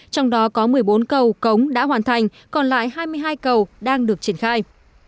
trong đó có một mươi bốn cầu cống đã hoàn thành còn lại hai mươi hai cầu đang được triển khai